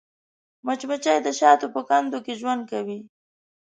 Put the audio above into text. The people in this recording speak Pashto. مچمچۍ د شاتو په کندو کې ژوند کوي